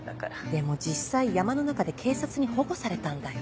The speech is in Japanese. でも実際山の中で警察に保護されたんだよ？